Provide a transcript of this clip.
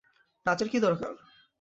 নাচের কী দরকার?